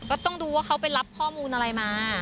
ก็ต้องดูว่าเขาไปรับข้อมูลอะไรมา